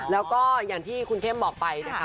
แล้วก็อย่างที่คุณเข้มบอกไปนะคะ